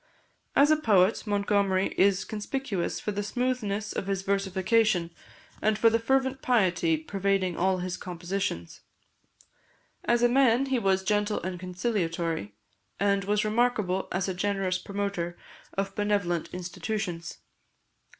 As a poet, Montgomery is conspicuous for the smoothness of his versification, and for the fervent piety pervading all his compositions. As a man, he was gentle and conciliatory, and was remarkable as a generous promoter of benevolent institutions.